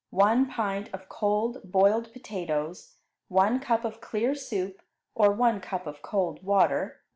1 pint of cold boiled potatoes. 1 cup of clear soup, or one cup of cold water.